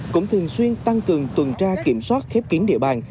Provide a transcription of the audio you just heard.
cũng thường xuyên tăng cường tuần tra kiểm soát khép kín địa bàn